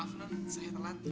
maaf nenek saya telat